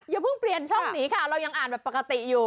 อย่าเพิ่งเปลี่ยนช่องหนีค่ะเรายังอ่านแบบปกติอยู่